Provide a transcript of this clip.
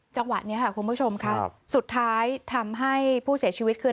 จังหวะนี้ค่ะคุณผู้ชมค่ะสุดท้ายทำให้ผู้เสียชีวิตคือ